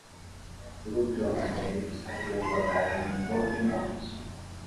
Grupo de homens negros carregando bagagem no topo de um ônibus